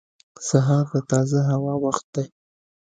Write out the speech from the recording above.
• سهار د تازه هوا وخت دی.